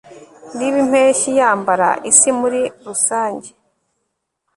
Niba impeshyi yambara isi muri rusange